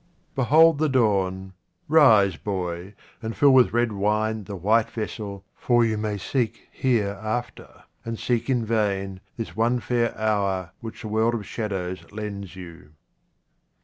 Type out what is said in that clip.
Behold the dawn. Rise, boy, and fill with red wine the white vessel, for you may seek here after, and seek in vain, this one fair hour which a world of shadows lends you.